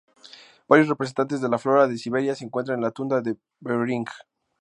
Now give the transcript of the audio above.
Varios representantes de la flora de Siberia se encuentran en la tundra de Behring.